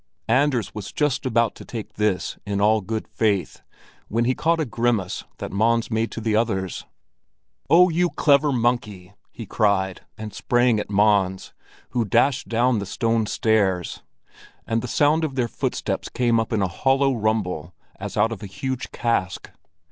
Anders was just about to take this in all good faith when he caught a grimace that Mons made to the others. "Oh, you clever monkey!" he cried, and sprang at Mons, who dashed down the stone stairs; and the sound of their footsteps came up in a hollow rumble as out of a huge cask.